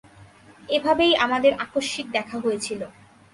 এভাবেই আমাদের আকস্মিক দেখা হয়েছিল।